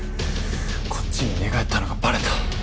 こっちに寝返ったのがバレた？